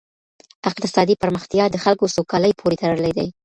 اقتصادي پرمختیا د خلګو سوکالۍ پوري تړلې ده.